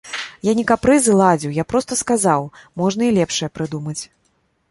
Я не капрызы ладзіў, я проста сказаў, можна і лепшае прыдумаць.